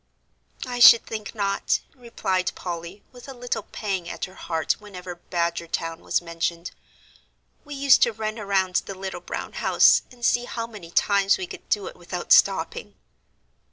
"I should think not," replied Polly, with a little pang at her heart whenever Badgertown was mentioned. "We used to run around the little brown house, and see how many times we could do it without stopping."